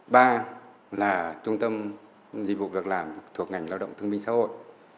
ba là trung tâm dịch vụ việc làm thuộc ngành lao động thương minh xã hội